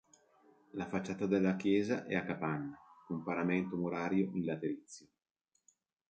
La facciata della chiesa è a capanna, con paramento murario in laterizio.